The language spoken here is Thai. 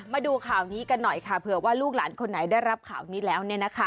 มาดูข่าวนี้กันหน่อยค่ะเผื่อว่าลูกหลานคนไหนได้รับข่าวนี้แล้ว